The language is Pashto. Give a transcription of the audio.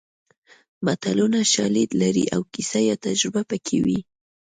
متلونه شالید لري او کیسه یا تجربه پکې وي